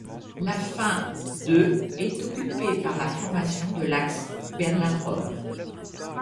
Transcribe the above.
La fin de est occupée par la formation de l’axe Berlin-Rome.